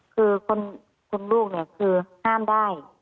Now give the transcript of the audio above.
คือคุณลูกเนี่ยคือห้ามได้